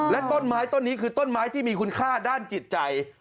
และต้นไม้ต้นนี้คือต้นไม้ที่มีคุณค่าด้านจิตใจ